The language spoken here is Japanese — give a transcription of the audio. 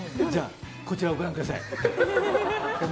こちら、ご覧ください。